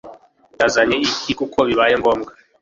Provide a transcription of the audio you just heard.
Wazanye iki kuko bibaye ngombwa